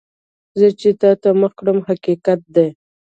زه چې تا ته مخ کړم، حقیقت دی.